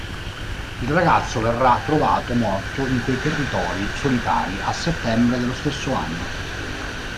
Il ragazzo verrà trovato morto in quei territori solitari a settembre dello stesso anno.